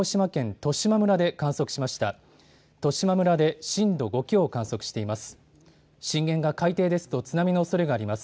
十島村で震度５強を観測しています。